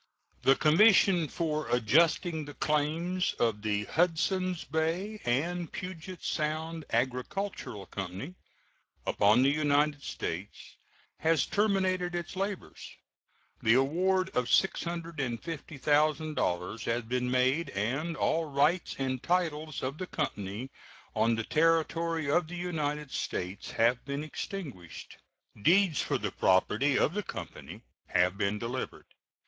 The commission for adjusting the claims of the "Hudsons Bay and Puget Sound Agricultural Company" upon the United States has terminated its labors. The award of $650,000 has been made and all rights and titles of the company on the territory of the United States have been extinguished. Deeds for the property of the company have been delivered.